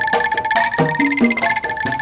gak ada batang selesss